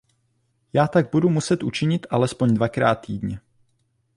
Já tak budu muset učinit alespoň dvakrát týdně.